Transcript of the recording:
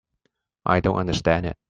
I don't understand it.